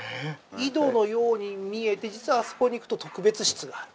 井戸のように見えて実はあそこに行くと特別室がある。